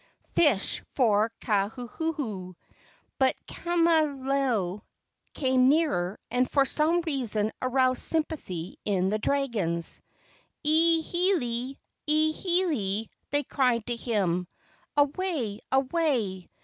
Fish for Kauhuhu." But Ka¬ malo came nearer and for some reason aroused sympathy in the dragons. "E hele! E hele!" they cried to him. "Away, away!